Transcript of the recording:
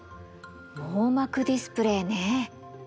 網膜ディスプレイね。